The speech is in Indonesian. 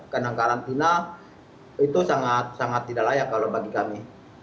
karena karantina itu sangat sangat tidak layak kalau bagi kami